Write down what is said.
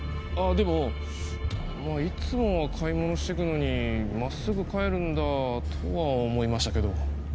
でもいつもは買い物してくのに真っすぐ帰るんだとは思いましたけど。